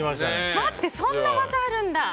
待って、そんな技あるんだ！